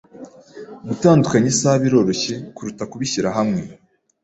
Gutandukanya isaha biroroshye kuruta kubishyira hamwe.